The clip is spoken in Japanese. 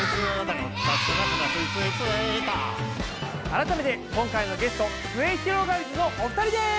改めて今回のゲストすゑひろがりずのお二人です！